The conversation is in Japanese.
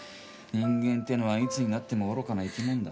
人間ってのはいつになっても愚かな生き物だ。